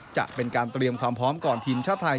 จะเป็นการเตรียมความพร้อมก่อนทีมชาติไทย